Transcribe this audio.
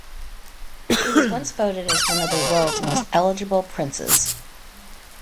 He was once voted as one of the world's most eligible princes.